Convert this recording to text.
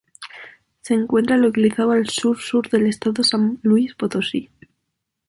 Se encuentra localizado al sur sur del estado San Luis Potosí.